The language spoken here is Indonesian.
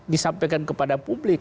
disampaikan kepada publik